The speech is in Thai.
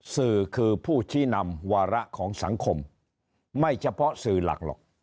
สื่อคือผู้ชี้นำวาระของสังคมไม่เฉพาะสื่อหลักหรอก